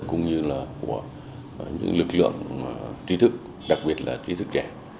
cũng như là của những lực lượng trí thức đặc biệt là trí thức trẻ